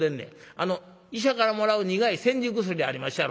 あの医者からもらう苦い煎じ薬ありまっしゃろ？